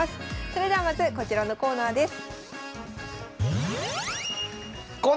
それではまずこちらのコーナーです。